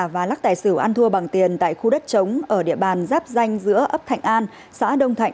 và lắc tài xỉu ăn thua bằng tiền tại khu đất chống ở địa bàn giáp danh giữa ấp thạnh an xã đông thạnh